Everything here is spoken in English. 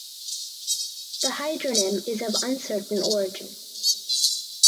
The hydronym is of uncertain origin.